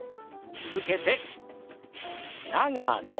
続けて「長野」。